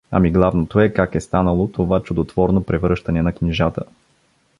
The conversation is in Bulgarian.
Ами главното е как е станало това чудотворно превръщане на книжата!